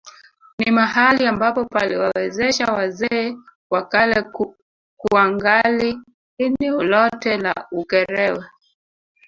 Ni mahali ambapo paliwawezesha wazee wa kale kuangali eneo lote la Ukerewe